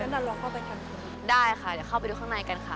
ได้ค่ะเดี๋ยวเข้าไปดูข้างในกันค่ะ